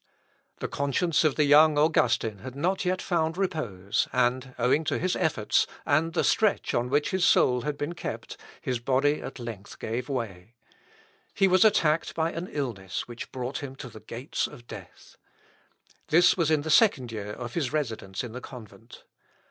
The conscience of the young Augustin had not yet found repose, and, owing to his efforts and the stretch on which his soul had been kept, his body at length gave way. He was attacked by an illness which brought him to the gates of death. This was in the second year of his residence in the convent.